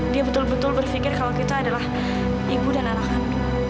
dia betul betul berpikir kalau kita adalah ibu dan anak anak